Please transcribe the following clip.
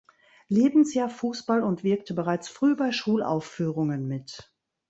Lebensjahr Fußball und wirkte bereits früh bei Schulaufführungen mit.